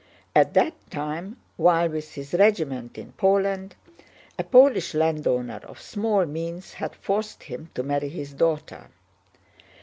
At that time while with his regiment in Poland, a Polish landowner of small means had forced him to marry his daughter.